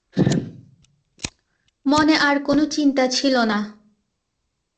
মনে আর কোনো চিন্তা ছিল না।